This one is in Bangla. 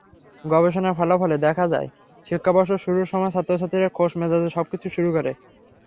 গবেষণার ফলাফলে দেখা যায়, শিক্ষাবর্ষ শুরুর সময় ছাত্রছাত্রীরা খোশ মেজাজে সবকিছু শুরু করে।